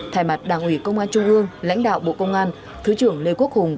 thay mặt đảng ủy công an trung ương lãnh đạo bộ công an thứ trưởng lê quốc hùng